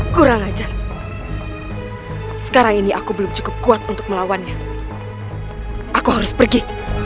kurang ajar sekarang ini aku belum cukup kuat untuk melawannya aku harus pergi